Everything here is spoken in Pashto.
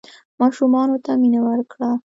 ماشومانو ته مینه ورکړه.